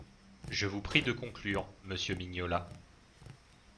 Je vous prie de conclure, monsieur Mignola.